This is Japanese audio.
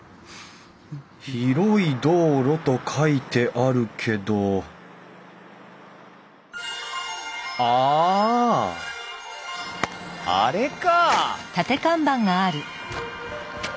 広い道路と書いてあるけどあああれか！